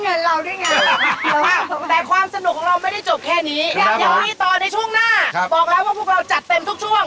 แต่ความสนุกของเราไม่ได้จบแค่นี้